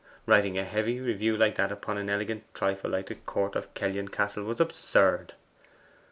Writing a heavy review like that upon an elegant trifle like the COURT OF KELLYON CASTLE was absurd.